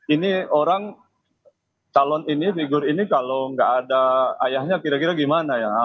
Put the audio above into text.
ini orang calon ini figur ini kalau nggak ada ayahnya kira kira gimana ya